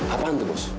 apaan tuh bos